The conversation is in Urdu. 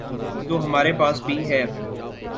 تو ہمارے پاس بھی ہے۔